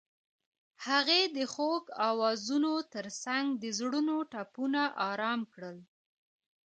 هغې د خوږ اوازونو ترڅنګ د زړونو ټپونه آرام کړل.